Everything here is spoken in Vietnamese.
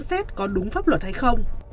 xem xét có đúng pháp luật hay không